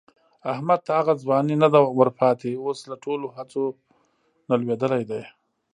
احمد ته هغه ځواني نه ده ورپاتې، اوس له ټولو هڅو نه لوېدلی دی.